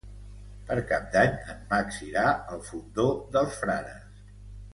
Per Cap d'Any en Max irà al Fondó dels Frares.